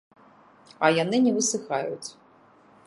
А яны не высыхаюць.